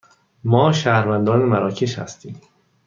ما شهروندان مراکش هستیم.